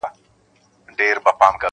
زموږ د شاهباز له شاهپرونو سره لوبي کوي-